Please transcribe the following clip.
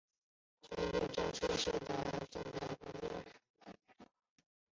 泉水站为侧式站台高架站。